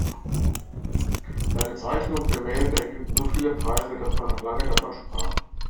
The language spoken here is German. Seine Zeichnungen und Gemälde erhielten so viele Preise, dass man noch lange davon sprach.